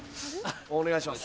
お願いします。